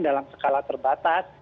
dalam skala terbatas